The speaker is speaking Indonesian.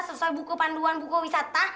sesuai buku panduan buku wisata